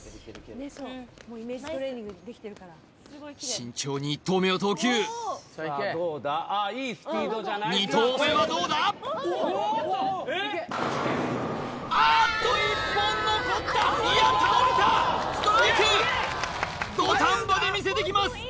慎重に１投目を投球２投目はどうだあっと１本残ったいや倒れたストライク土壇場で見せてきます